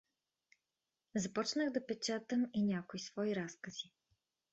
Започнах да печатам и някои свои разкази.